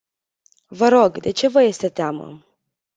Vă rog, de ce vă este teamă?